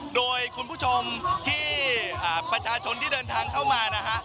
โดยคุณผู้ชมที่ประชาชนที่เดินทางเข้ามานะฮะ